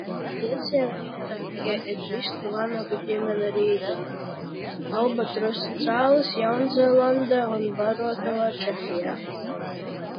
Iecienītākie ir vistu vanagu ģimene Rīgā, albatrosa cālis Jaunzēlandē un barotava Čehijā.